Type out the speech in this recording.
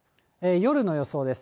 夜の予想です。